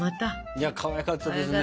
いやかわいかったですね。